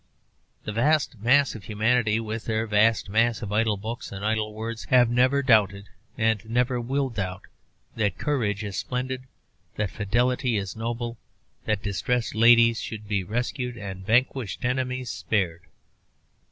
The vast mass of humanity, with their vast mass of idle books and idle words, have never doubted and never will doubt that courage is splendid, that fidelity is noble, that distressed ladies should be rescued, and vanquished enemies spared.